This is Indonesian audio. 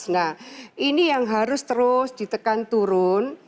nah ini yang harus terus ditekan turun